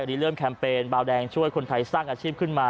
วันนี้เริ่มแคมเปญบาวแดงช่วยคนไทยสร้างอาชีพขึ้นมา